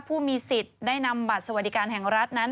ผู้มีสิทธิ์ได้นำบัตรสวัสดิการแห่งรัฐนั้น